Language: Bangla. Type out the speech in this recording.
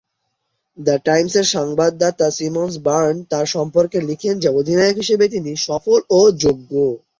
দ্য টাইমসের সংবাদদাতা সিমন বার্নস তার সম্পর্কে লিখেন যে, অধিনায়ক হিসেবে তিনি সফল ও যোগ্য।